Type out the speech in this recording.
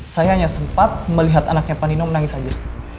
saya hanya sempat melihat anaknya pak nino menangis saja